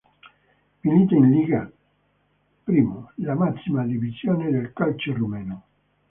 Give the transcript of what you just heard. Milita in Liga I, la massima divisione del calcio rumeno.